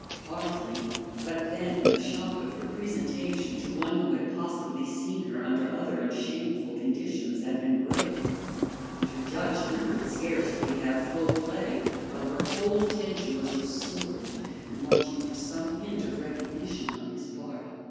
Hardly; but then the shock of her presentation to one who had possibly seen her under other and shameful conditions had been great, and her judgment could scarcely have full play while her whole attention was absorbed in watching for some hint of recognition on his part.